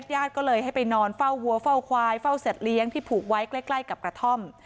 ญาติก็เลยให้ไปนอนเฝ้าวัวเฝ้าควายเฝ้าสัตว์เลี้ยงที่ผูกไว้ใกล้กับกระท่อม